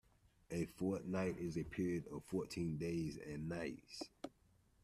A fortnight is a period of fourteen days and nights